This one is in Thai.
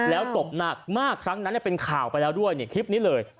แล้วตบหนักมากครั้งนั้นเป็นข่าวไปแล้วด้วยคลิปนี้เลย